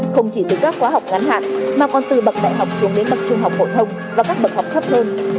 không chỉ từ các khóa học ngắn hạn mà còn từ bậc đại học xuống đến bậc trung học phổ thông và các bậc học thấp hơn